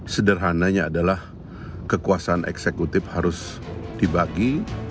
sederhananya adalah kekuasaan eksekutif harus dibagi